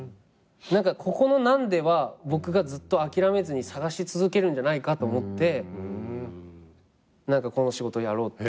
ここの「何で」は僕がずっと諦めずに探し続けるんじゃないかと思ってこの仕事やろうって。